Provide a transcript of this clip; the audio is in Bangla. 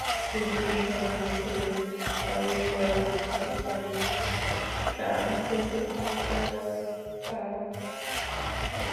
কিন্তু শরণার্থীদের তাড়িয়ে দেওয়ার হুমকির কারণেই ট্রাম্প থেকে মুখ ফেরান তাঁরা।